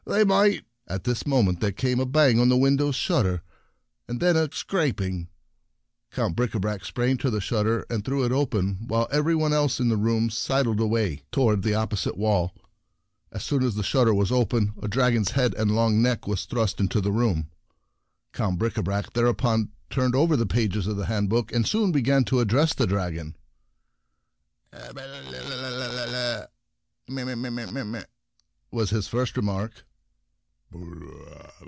They might —" At this moment there came a bang on the window shutter, and then a scraping. Count Bricabrac sprang to the shutter and threw it open, while every one else in the room sidled away Window Safer Brave Bricabrac 40 The Prince Dragon Talk toward the opposite wall. As soon as the shutter was open a dragon's head and long neck was thrust into the room. Count Bricabrac thereupon turned over the pages of the handbook and soon began to address the dragon :" Ax f 2a*x + 3abx — myb?" was his first remark.